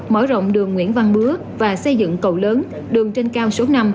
mở rộng đường nguyễn văn bứa và xây dựng cầu lớn đường trên cao số năm